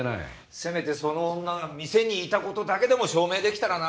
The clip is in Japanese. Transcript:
せめてその女が店にいた事だけでも証明できたらな。